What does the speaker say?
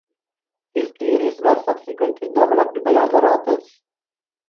His theories were subsequently developed by other authors.